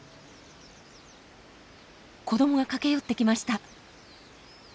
子どもが駆け寄ってきました。